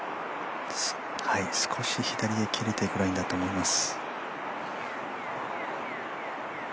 少し左へ切れていくラインだと思います。